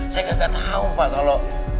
saya gak tau pak kalo